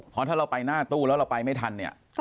เพราะถ้าเราไปหน้าตู้แล้วเราไปไม่ทันเนี่ย